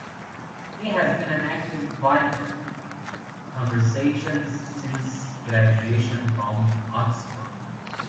He has been an active wildlife conservationist since graduating from Oxford.